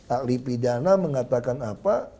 akli pidana mengatakan apa